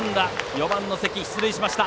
４番の関、出塁しました。